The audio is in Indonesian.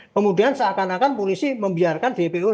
kemudian seakan akan polisi membiarkan dpo